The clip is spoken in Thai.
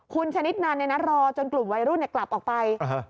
คุณชนิดนันรอจนกลุ่มวัยรุ่นกลับออกไป